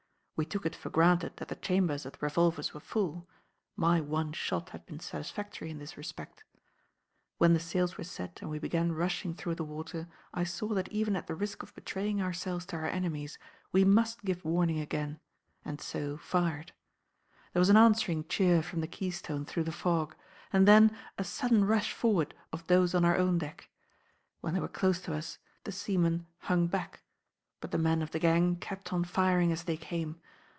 We took it for granted that the chambers of the revolvers were full; my one shot had been satisfactory in this respect. When the sails were set and we began rushing through the water I saw that even at the risk of betraying ourselves to our enemies we must give warning again, and so fired. There was an answering cheer from the Keystone through the fog; and then a sudden rush forward of those on our own deck. When they were close to us, the seamen hung back; but the men of the gang kept on firing as they came.